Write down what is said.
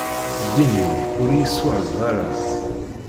Ddin-im ur iyi-suɛed ara.